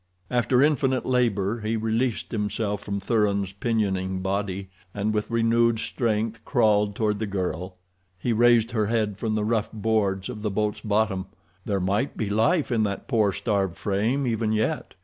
After infinite labor he released himself from Thuran's pinioning body, and with renewed strength crawled toward the girl. He raised her head from the rough boards of the boat's bottom. There might be life in that poor, starved frame even yet.